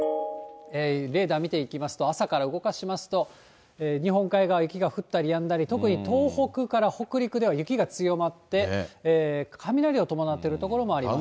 レーダー見ていきますと、朝から動かしますと、日本海側、雪が降ったりやんだり、特に東北から北陸では雪が強まって、雷を伴ってる所もあります。